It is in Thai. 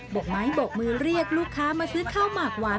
กไม้บกมือเรียกลูกค้ามาซื้อข้าวหมากหวาน